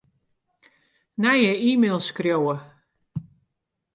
Nije e-mail skriuwe.